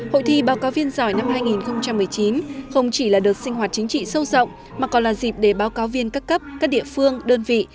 hội thi báo cáo viên giỏi năm hai nghìn một mươi chín không chỉ là đợt sinh hoạt chính trị sâu rộng mà còn là dịp để báo cáo viên các cấp các địa phương đơn vị